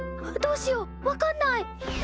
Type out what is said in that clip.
どうしよう分かんない。